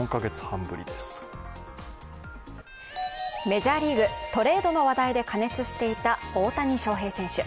メジャーリーグ、トレードの話題で過熱していた大谷翔平選手。